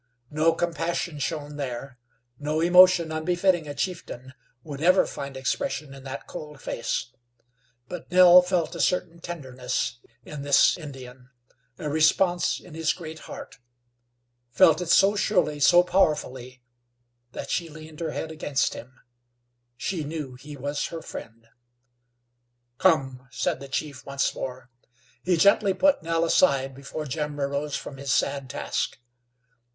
No compassion shone there; no emotion unbefitting a chieftain would ever find expression in that cold face, but Nell felt a certain tenderness in this Indian, a response in his great heart. Felt it so surely, so powerfully that she leaned her head against him. She knew he was her friend. "Come," said the chief once more. He gently put Nell aside before Jim arose from his sad task.